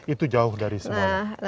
itu jauh dari semuanya